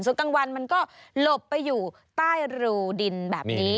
ส่วนกลางวันมันก็หลบไปอยู่ใต้รูดินแบบนี้